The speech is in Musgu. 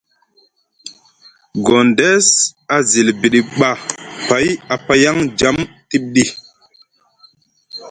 Gondes a zilbiɗi ɓa pay a payaŋ djam tiɓ ɗi ?